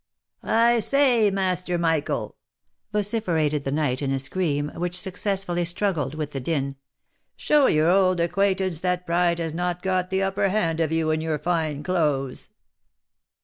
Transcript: " I say, Master Michael I" vociferated the knight in a scream, which successfully struggled with the din, " show your old ac quaintance that pride has not got the upper hand of you in your fine clothes.